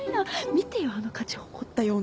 見てよあの勝ち誇ったようなツラ。